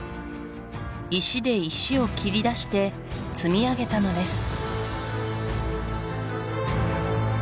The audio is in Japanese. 石で石を切り出して積み上げたのです